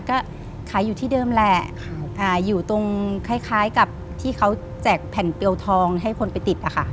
ก็ขายอยู่ที่เดิมแหละอยู่ตรงคล้ายกับที่เขาแจกแผ่นเปียวทองให้คนไปติดอะค่ะ